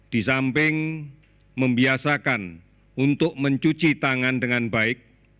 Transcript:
di samping membiasakan untuk mencuci tangan dengan baik